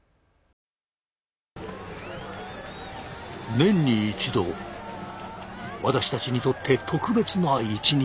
年に一度私たちにとって特別な一日。